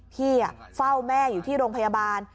พี่เฝ้าแม่อยู่ที่โรงพยาบาล